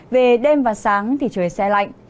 về đêm và sáng thì trời xe lạnh